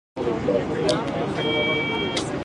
元来人間というものは自己の力量に慢じてみんな増長している